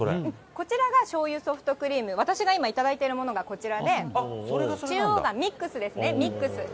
こちらがしょうゆソフトクリーム、私が今頂いてるのがこちらで、中央がミックスですね、ミックス。